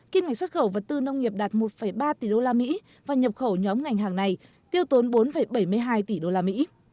kiếm ngành xuất khẩu vật tư nông nghiệp đạt một ba tỷ usd và nhập khẩu nhóm ngành hàng này tiêu tốn bốn bảy mươi hai tỷ usd